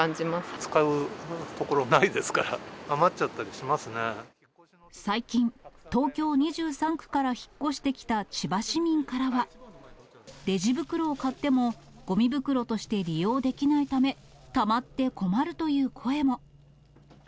使うところないですから、最近、東京２３区から引っ越してきた千葉市民からは、レジ袋を買っても、ごみ袋として利用できないため、たまって困るという声も。